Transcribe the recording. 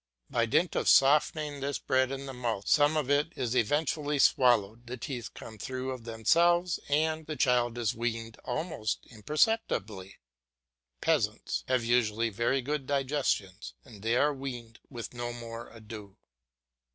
By dint of softening this bread in the mouth some of it is eventually swallowed the teeth come through of themselves, and the child is weaned almost imperceptibly. Peasants have usually very good digestions, and they are weaned with no more ado.